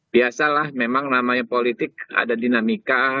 biasalah memang namanya politik ada dinamika